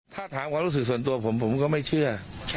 ถ้าถามความรู้สึกส่วนตัวผมผมก็ไม่เชื่อ